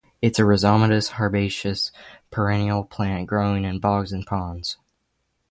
It is a rhizomatous herbaceous perennial plant growing in bogs and ponds.